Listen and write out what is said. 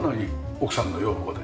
奥さんの要望で？